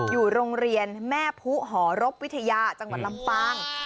อยู่โรงเรียนแม่ผู้หอรบวิทยาจังหวัดลำปาง